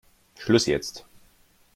Schluss jetzt!